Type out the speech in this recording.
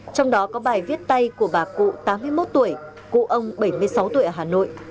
trong đó có bài viết tay của bà cụ tám mươi một tuổi cụ ông bảy mươi sáu tuổi ở hà nội